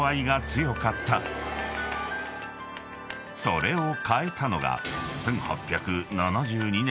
［それを変えたのが］